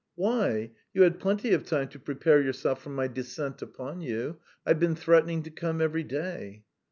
"Why? You had plenty of time to prepare yourself for my descent upon you. I've been threatening to come every day."